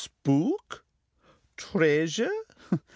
"Spook? Treasure?